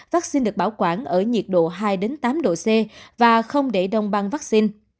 vaccine được bảo quản ở nhiệt độ hai tám độ c và không để đông băng vaccine